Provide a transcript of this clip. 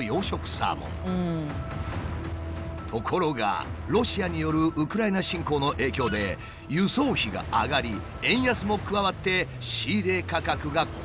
ところがロシアによるウクライナ侵攻の影響で輸送費が上がり円安も加わって仕入れ価格が高騰。